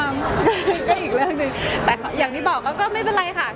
มันมีผลกับงาน